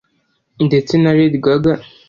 ndetse na Lady Gaga